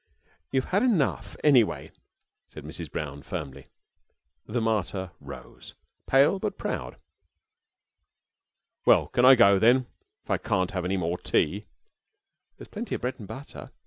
"You've had enough, anyway," said Mrs. Brown firmly. The martyr rose, pale but proud. "Well, can I go then, if I can't have any more tea?" "There's plenty of bread and butter."